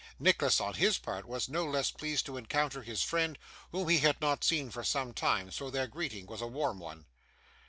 Nicholas, on his part, was no less pleased to encounter his friend, whom he had not seen for some time; so, their greeting was a warm one.